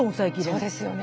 そうですよね。